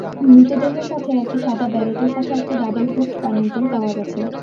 মৃতদেহের সাথে, একটি সাদা ব্যারেটের সাথে একটি ডাবল-হুপড কানের দুল পাওয়া গেছে।